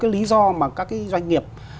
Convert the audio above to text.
lý do mà các doanh nghiệp